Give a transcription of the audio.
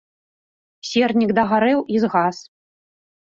Сернік дагарэў і згас.